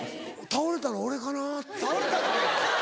倒れたの俺かな？